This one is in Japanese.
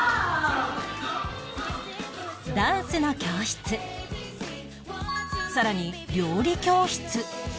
ダンスの教室さらに料理教室